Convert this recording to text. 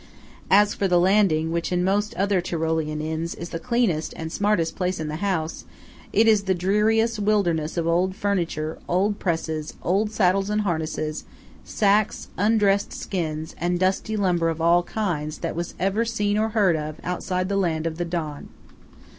As for the landing, which in most Tyrolean inns is the cleanest and smartest place in the house, it is the dreariest wilderness of old furniture, old presses, old saddles and harness, sacks, undressed skins, and dusty lumber of all kinds, that was ever seen or heard of outside the land of the Don.